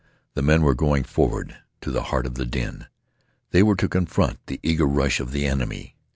The men were going forward to the heart of the din. They were to confront the eager rush of the enemy.